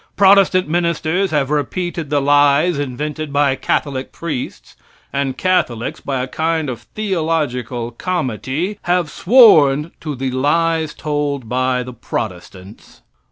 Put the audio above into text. Protestant ministers have repeated the lies invented by Catholic priests, and Catholics, by a kind of theological comity, have sworn to the lies told by the Protestants.